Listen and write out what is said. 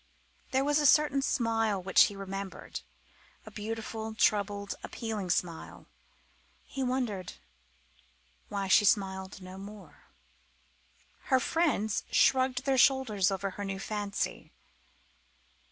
There was a certain smile which he remembered a beautiful, troubled, appealing smile. He wondered why she smiled no more. Her friends shrugged their shoulders over her new fancy.